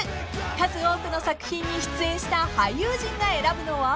［数多くの作品に出演した俳優陣が選ぶのは？］